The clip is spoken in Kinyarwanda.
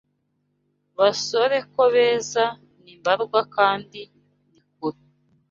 Basore ko beza ni mbarwa kandi ni kure.